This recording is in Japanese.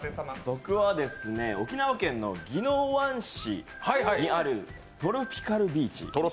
僕は沖縄県の宜野湾市にあるトロピカルビーチ。